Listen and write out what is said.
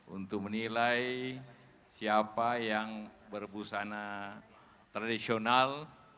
untuk menilai siapa yang berbusana tradisional